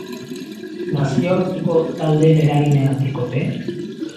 Nazioarteko taldeen eraginagatik ote?